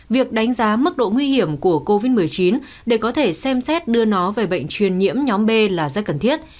việc đánh giá mức độ nguy hiểm của covid một mươi chín để có thể xem xét đưa nó về bệnh truyền nhiễm nhóm b là rất cần thiết